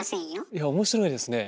いや面白いですね。